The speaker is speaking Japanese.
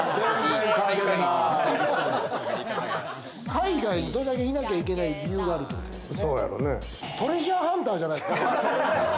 海外にそれだけいなきゃいけない理由があるってことよね。